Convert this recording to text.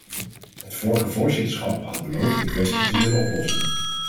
Het vorige voorzitterschap had beloofd de kwestie te zullen oplossen.